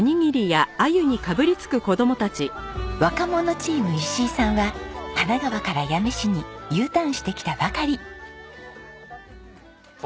若者チーム石井さんは神奈川から八女市にＵターンしてきたばかり。